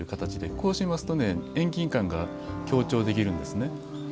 こうしますと遠近感が強調できるんですね。